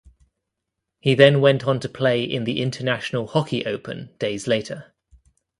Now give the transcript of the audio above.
He then went on to play in the International Hockey Open days later.